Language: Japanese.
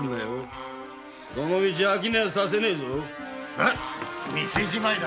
さぁ店じまいだ。